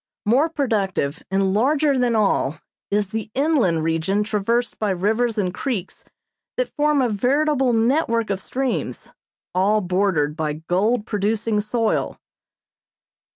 More productive and larger than all is the inland region traversed by rivers and creeks that form a veritable network of streams, all bordered by gold producing soil.